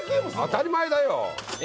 当たり前だよ。